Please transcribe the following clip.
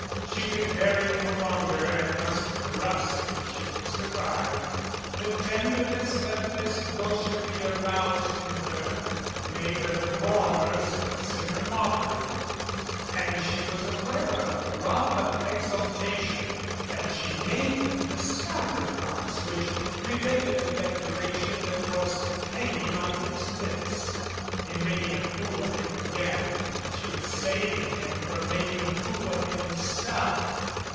She could parry no longer and must thrust if she would survive. The tender ness that his gaucherie aroused in her made her the more merciless in her mockery ! And she was aware of a throb of exaltation as she made the sacrifice which prevented the declaration that was hanging on his lips. In making a fool of him again she was saving him from making a fool of himself.